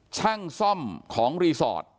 ช่างซ่อมของรีสอร์ท